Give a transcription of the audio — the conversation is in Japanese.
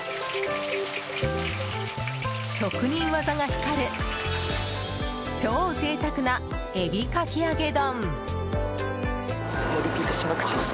職人技が光る超贅沢な海老かき揚丼。